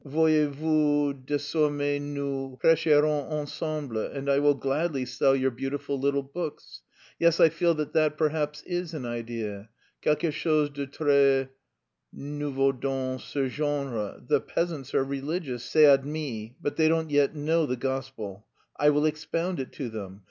voyez vous, désormais nous prêcherons ensemble_ and I will gladly sell your beautiful little books. Yes, I feel that that perhaps is an idea, quelque chose de très nouveau dans ce genre. The peasants are religious, c'est admis, but they don't yet know the gospel. I will expound it to them....